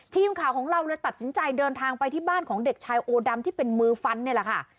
ทีมข่าวของเราเลยตัดสินใจเดินทางไปที่บ้านของเด็กชายโอดำที่เป็นมือฟันนี่แหละค่ะ